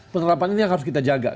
penerapan ini yang harus kita jaga